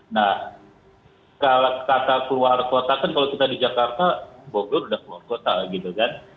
nah kata keluar kota kan kalau kita di jakarta bogor sudah keluar kota gitu kan